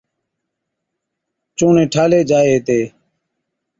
چُوڻي ٺالھي جائي ھِتي